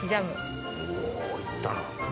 うお行ったな。